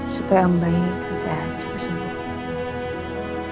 supaya om baik bisa cepet sembuh